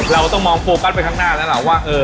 เราต้องมองโฟกัสไปข้างหน้าแล้วล่ะว่า